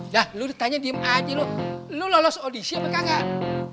dah lu ditanya diem aja lo lu lolos audisi apa enggak